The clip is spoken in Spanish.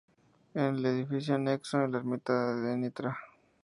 En el edificio anexo a la Ermita de Ntra.